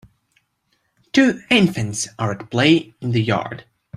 Two infants are at play in the yard.